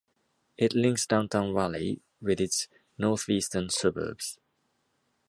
It links Downtown Raleigh with its northeastern suburbs.